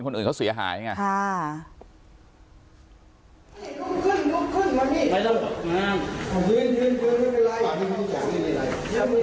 คนอื่นเขาเสียหายใช่ไงครับค่ะ